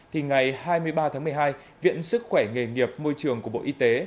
thì ngày hai mươi ba tháng một mươi hai viện sức khỏe nghề nghiệp môi trường của bộ y tế